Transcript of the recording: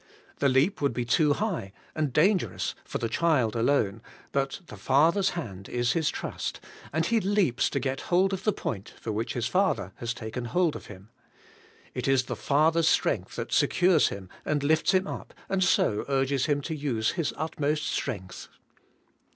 The leap would be too high and dangerous for t4ie child alone; but 32 ABIDE IN CHRIST: the father's hand is his trust, and he leaps to get hold of the point for which his father has taken hold of him. It is the father's strength that secures him and lifts him up, and so urges him to use his utmost strength.